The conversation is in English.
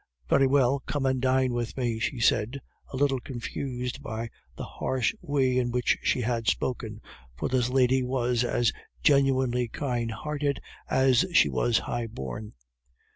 "Very well, come and dine with me," she said, a little confused by the harsh way in which she had spoken, for this lady was as genuinely kind hearted as she was high born.